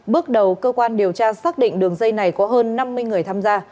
bước đầu cơ quan điều tra xác định đường dây này có hơn năm mươi người tham gia